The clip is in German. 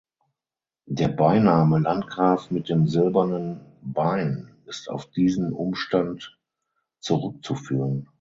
Der Beiname „Landgraf mit dem silbernen Bein“ ist auf diesen Umstand zurück zu führen.